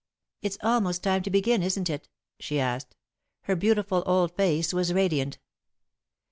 "It's almost time to begin, isn't it?" she asked. Her beautiful old face was radiant.